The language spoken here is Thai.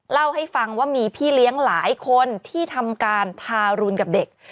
เล่าให้ฟังว่ามีพี่เลี้ยงหลายคนที่ทำการทารุณกับเด็ก